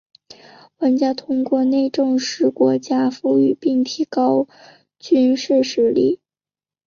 玩家通过内政使国家富裕并提高军事实力。